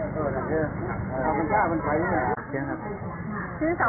สวัสดีครับ